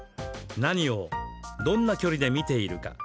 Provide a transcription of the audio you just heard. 何を、どんな距離で見ているか。